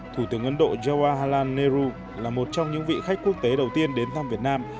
thủ tướng ấn độ jawaharlal nehru là một trong những vị khách quốc tế đầu tiên đến thăm việt nam